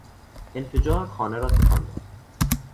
انفجار خانه را تکان داد.